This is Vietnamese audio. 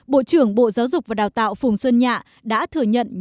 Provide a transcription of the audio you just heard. bộ trưởng bộ giáo dục và đào tạo phùng xuân nhạ đã thừa nhận nhận rằng